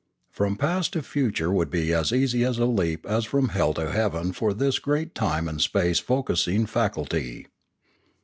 From past to future would be as easy a leap as from hell to heaven for this great time and space focussing faculty.